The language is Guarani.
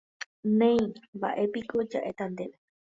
Néi, mba'épiko ja'éta ndéve.